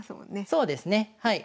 そうですねはい。